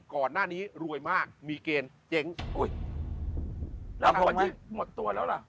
ก่อนหน้านี้รวยมากมีเกณฑ์เจ๊งอุ้ยแล้วพอวันนี้หมดตัวแล้วล่ะ